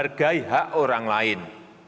menghargai hak orang lain